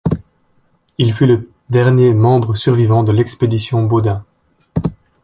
Il fut le dernier membre survivant de l'expédition Baudin.